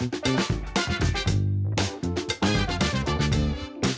ไม่งั้นคุณจะได้